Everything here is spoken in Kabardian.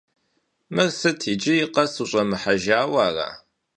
Мыр сыт, иджыри къэс ущӀэмыхьэжауэ ара?